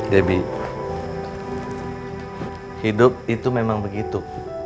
debbie hidup itu memang begitu